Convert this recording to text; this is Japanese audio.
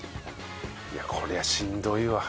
いやこれはしんどいわ。